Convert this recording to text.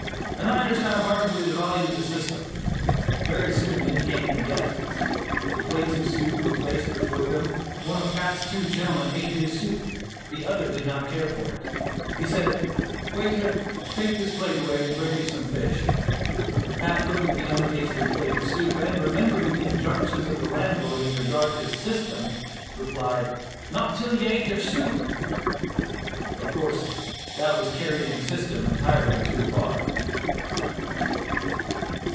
an' I understand parfectly the vartues of shystem." Very soon in came the guests. The plates of soup were placed before them. One of Pat's two gentlemen ate his soup, the other did not care for it. He said "Waiter, take this plate away and bring me some fish." Pat looked at the untasted plate of soup, and remembering the injunctions of the landlord in regard to "system," replied: "Not till ye have ate yer supe!" Of course that was carrying "system" entirely too far.